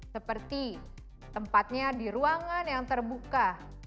seperti tempatnya di ruangan yang terbuka